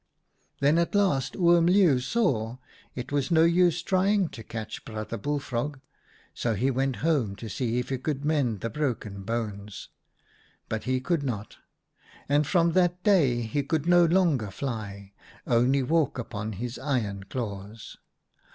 u Then at last Oom Leeuw saw it was no use trying to catch Brother Bullfrog, so he went home to see if he could mend the broken bones. But he could not, and from that day he could no longer fly, only walk upon his iron claws.